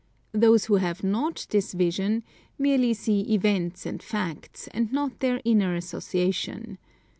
Those who have not this vision, merely see events and facts, and not their inner association.